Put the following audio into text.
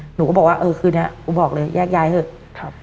หนูก็บอกว่าเออคืนนี้กูบอกเลยแยกย้ายเถอะ